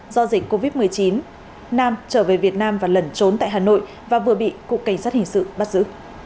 do dịch covid một mươi chín nam trở về việt nam và lẩn trốn tại hà nội và vừa bị cục cảnh sát hình sự bắt giữ